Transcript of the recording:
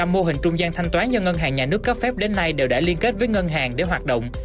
một trăm linh mô hình trung gian thanh toán do ngân hàng nhà nước có phép đến nay đều đã liên kết với ngân hàng để hoạt động